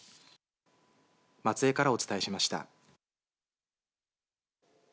松江からお伝えしました。